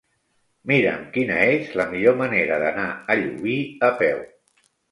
Mira'm quina és la millor manera d'anar a Llubí a peu.